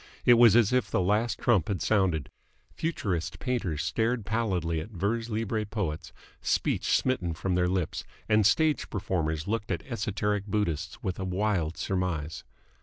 It was as if the last trump had sounded. Futurist painters stared pallidly at vers libre poets, speech smitten from their lips; and stage performers looked at esoteric Buddhists with a wild surmise.